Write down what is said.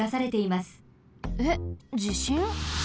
えっじしん？